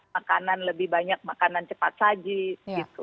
makanan lebih banyak makanan cepat saji gitu